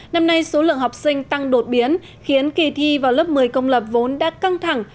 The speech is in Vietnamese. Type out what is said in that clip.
năm nay số lượng học sinh tăng đột biến khiến kỳ thi vào lớp một mươi công lập vốn đã căng thẳng